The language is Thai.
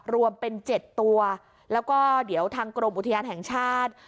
รวมเป็น๗ตัวแล้วก็เดี๋ยวทางกรมอุทยานแห่งชาติ